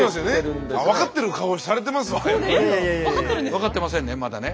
分かってませんねまだね。